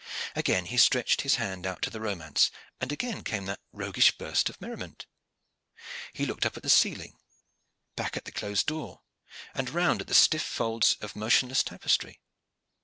Again he stretched his hand out to the romance, and again came that roguish burst of merriment. He looked up at the ceiling, back at the closed door, and round at the stiff folds of motionless tapestry.